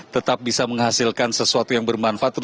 tetap bisa menghasilkan sesuatu yang bermanfaat